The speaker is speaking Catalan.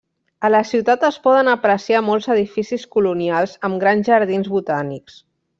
A la ciutat es poden apreciar molts edificis colonials amb grans jardins botànics.